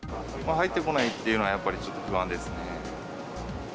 入ってこないというのは、やっぱりちょっと不安ですね。